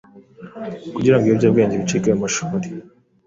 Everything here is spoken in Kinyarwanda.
kugira ngo ibiyobyabwenge bicike mu mashuri?